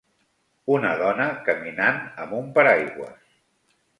Un dona caminant amb un paraigües.